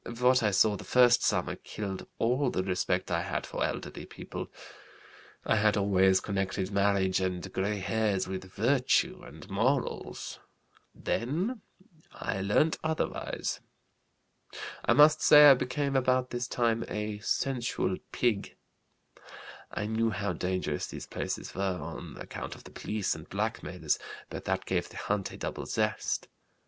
What I saw the first summer killed all the respect I had for elderly people. I had always connected marriage and gray hairs with virtue and morals; then I learnt otherwise. I must say I became about this time a sensual pig. I knew how dangerous these places were on account of the police and blackmailers, but that gave the hunt a double zest.